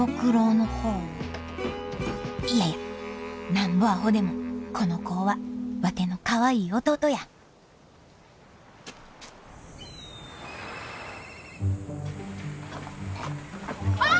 なんぼアホでもこの子はワテのかわいい弟やあっ！